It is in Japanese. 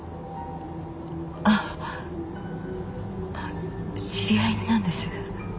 あっ知り合いなんです